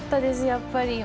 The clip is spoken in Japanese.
やっぱり。